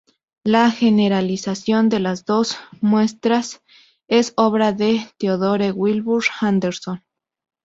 La generalización de las dos muestras es obra de Theodore Wilbur Anderson.